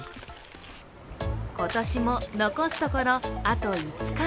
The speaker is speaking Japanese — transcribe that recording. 今年も残すところあと５日。